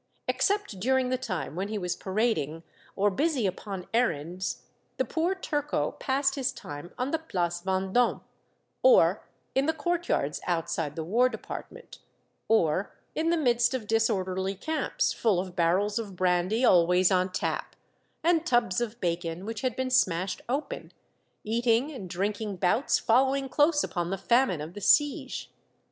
Except during the time when he was parad ing, or busy upon errands, the poor turco passed his time on the Place Vendome, or in the court yards outside the war department, or in the midst of disorderly camps full of barrels of brandy always on tap, and tubs of bacon which had been smashed open, eating and drinking bouts follow ing close upon the famine of the siege.